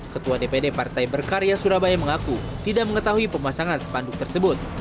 ketua dpd partai berkarya surabaya mengaku tidak mengetahui pemasangan spanduk tersebut